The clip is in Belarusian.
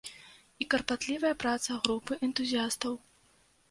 І карпатлівая праца групы энтузіястаў.